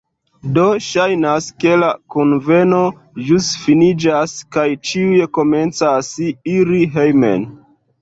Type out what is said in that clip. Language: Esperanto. Do, ŝajnas, ke la kunveno ĵus finiĝas kaj ĉiuj komencas iri hejmen